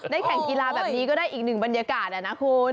แข่งกีฬาแบบนี้ก็ได้อีกหนึ่งบรรยากาศนะคุณ